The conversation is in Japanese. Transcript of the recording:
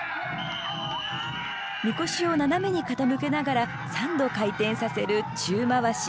神輿を斜めに傾けながら３度回転させる宙回し。